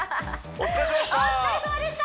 お疲れさまでした！